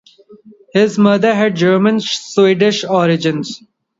His mother had German-Swedish origins.